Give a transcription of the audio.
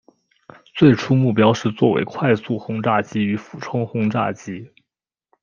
最初目标是作为快速轰炸机与俯冲轰炸机。